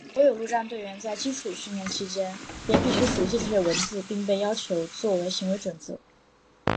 所有陆战队员在基础训练期间便必须熟记这些文字并被要求作为行为准则。